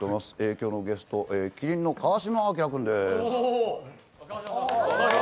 今日のゲスト、麒麟の川島明君です。